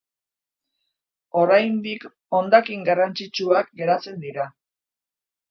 Oraindik hondakin garrantzitsuak geratzen dira.